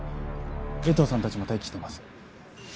江藤さんたちも待機しています。